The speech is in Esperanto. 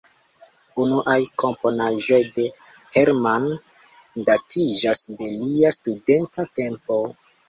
Unuaj komponaĵoj de Hermann datiĝas de lia studenta tempo.